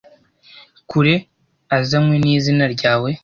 kure azanywe n izina ryawe